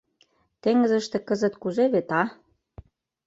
— Теҥызыште кызыт кузе вет, а...